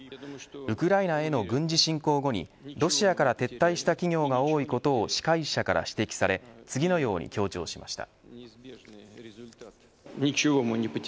ウクライナへの軍事侵攻後にロシアから撤退した企業が多いことを司会者から指摘され次のように強調しました。